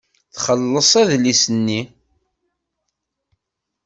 Txelleṣ adlis-nni.